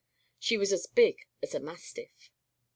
She was as big as a mastiff.